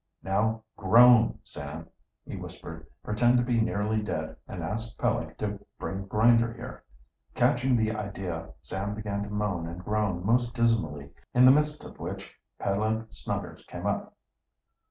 "Now groan, Sam," he whispered. "Pretend to be nearly dead, and ask Peleg to bring Grinder here." Catching the idea, Sam began to moan and groan most dismally, in the midst of which Peleg Snuggers came up.